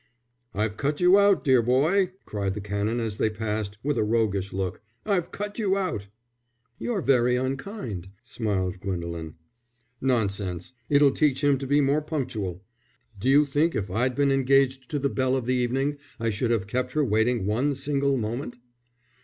"I've cut you out, dear boy," cried the Canon as they passed, with a roguish look. "I've cut you out." "You're very unkind," smiled Gwendolen. "Nonsense. It'll teach him to be more punctual. Do you think if I'd been engaged to the belle of the evening I should have kept her waiting one single moment?"